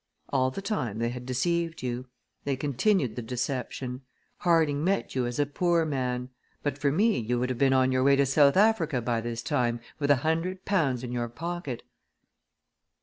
All the time they had deceived you. They continued the deception. Harding met you as a poor man. But for me you would have been on your way to South Africa by this time, with a hundred pounds in your pocket."